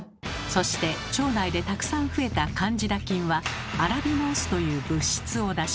そして腸内でたくさん増えたカンジダ菌はアラビノースという物質を出します。